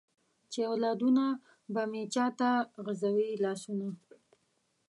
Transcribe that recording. چې اولادونه به مې چاته غزوي لاسونه ؟